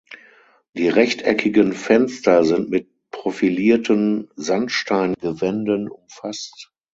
Die rechteckigen Fenster sind mit profilierten Sandsteingewänden umfasst.